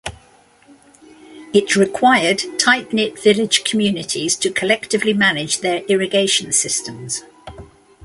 It required tight-knit village communities to collectively manage their irrigation systems.